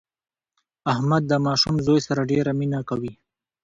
احمد د ماشوم زوی سره ډېره مینه کوي.